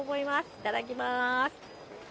いただきます。